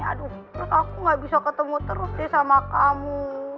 aduh aku gak bisa ketemu terus sih sama kamu